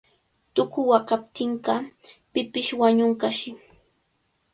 Tuku waqaptinqa pipish wañunqashi.